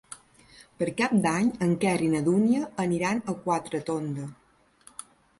Per Cap d'Any en Quer i na Dúnia aniran a Quatretonda.